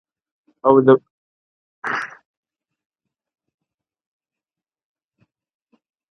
• او له پاسه د ګیدړ په تماشې سو -